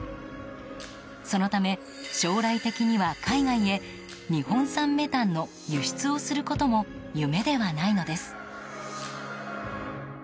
そのため、将来的には海外へ日本産メタンの輸出をすることも夢ではないのです。